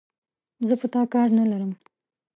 زه په تا کار نه لرم،